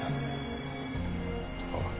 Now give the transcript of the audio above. ああ。